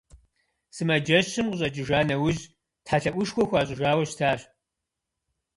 Сымаджэщым къыщӀэкӀыжа нэужь тхьэлъэӀушхуэ хуащӀыжауэ щытащ.